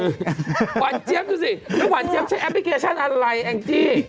หวานเจี๊ยบดูสิแล้วหวานเจี๊ยใช้แอปพลิเคชันอะไรแองจี้